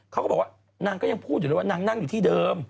เขาก็บอกว่านางก็ยังพูดอยู่เลยว่านางนั่งอยู่ที่เดิม